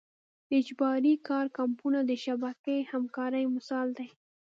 د اجباري کار کمپونه د شبکه همکارۍ مثال دی.